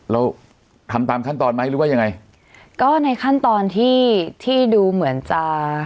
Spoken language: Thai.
เราทำตามขั้นตอนไหมหรือว่ายังไงก็ในขั้นตอนที่ที่ดูเหมือนจะ